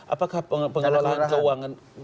apakah pengelolaan keuangan